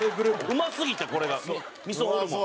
うますぎてこれが味噌ホルモン。